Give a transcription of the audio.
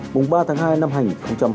mùng ba tháng hai năm hành hai mươi hai